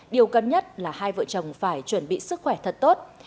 điều cần nhất là hai vợ chồng phải chuẩn bị sức khỏe thật tốt